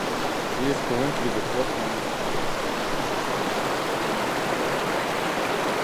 He is currently the performance director at the Aston Martin Formula One team.